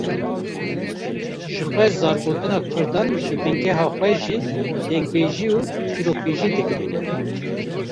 Ji xwe zargotina Kurdan jî bingeha xwe ji dengbêjî û çîrokbêjî digre